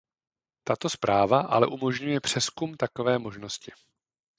Tato zpráva ale umožňuje přezkum takové možnosti.